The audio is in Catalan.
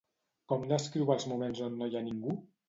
Com descriu els moments on no hi ha ningú?